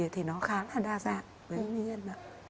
thì nó khá là đa dạng với nguyên nhân